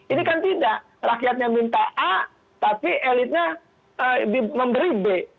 ini kan tidak rakyatnya minta a tapi elitnya memberi b